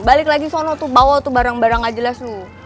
balik lagi sono tuh bawa tuh barang barang gak jelas tuh